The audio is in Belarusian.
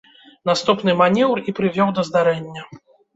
Наступны манеўр і прывёў да здарэння.